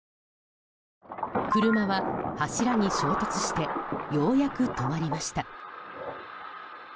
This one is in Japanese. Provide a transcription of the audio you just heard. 車は柱に衝突してようやく止まりました。